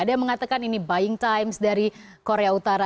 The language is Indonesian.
ada yang mengatakan ini buying times dari korea utara